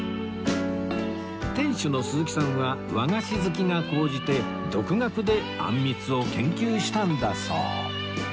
店主の鈴木さんは和菓子好きが高じて独学であんみつを研究したんだそう